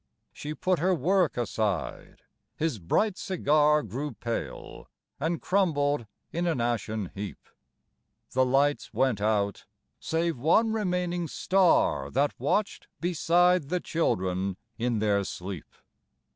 She put her work aside; his bright cigar Grew pale, and crumbled in an ashen heap. The lights went out, save one remaining star That watched beside the children in their sleep.